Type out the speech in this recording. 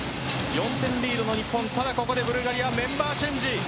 ４点リードの日本だが、ここでブルガリアメンバーチェンジ。